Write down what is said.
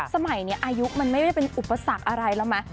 สมัยนี้อายุมันไม่ได้เป็นอุปสรรคอะไรแล้วมั้